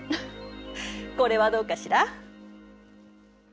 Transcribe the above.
これはどうかしら？